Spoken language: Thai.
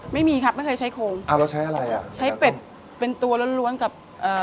ไม่มีครับไม่เคยใช้โคมอ่าเราใช้อะไรอ่ะใช้เป็ดเป็นตัวล้วนล้วนกับเอ่อ